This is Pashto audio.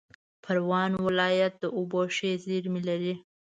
پروان ولایت د اوبو ښې منابع لري